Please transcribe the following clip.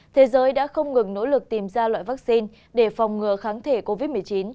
thế giới đã không ngừng nỗ lực tìm ra loại vaccine để phòng ngừa kháng thể covid một mươi chín